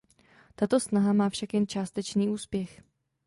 Tato snaha má však jen částečný úspěch.